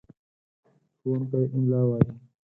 ښوونکی املا وايي.